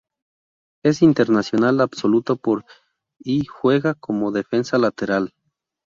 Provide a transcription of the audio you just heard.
Es internacional absoluto por y juega como defensa lateral.